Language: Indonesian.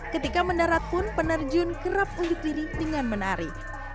ketika mendarat pun penerjun kerap unduk diri dengan menari